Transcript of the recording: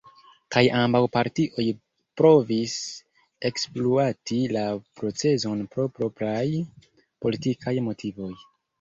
Kaj ambaŭ partioj provis ekspluati la procezon pro propraj politikaj motivoj.